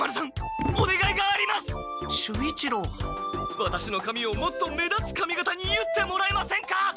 ワタシの髪をもっと目立つ髪形に結ってもらえませんか？